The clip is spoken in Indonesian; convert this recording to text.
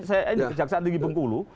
saya ini kejaksaan tinggi bengkulu